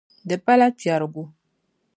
Di pala kpɛrigu.